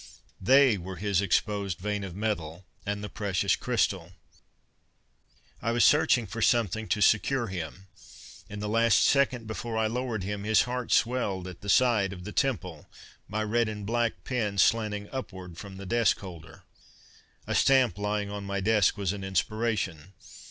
They were his exposed vein of metal and the precious crystal. I was searching for something to secure him. In the last second before I lowered him, his heart swelled at the sight of the "Temple" my red and black pen slanting upward from the desk holder._ _A stamp lying on my desk was an inspiration.